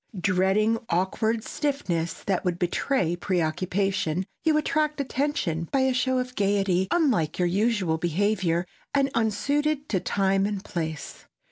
Dreading awkward stiffness that would betray preoccupation, you attract attention by a show of gaiety unlike your usual behavior and unsuited to time and place.